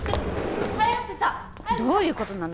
どういうことなの？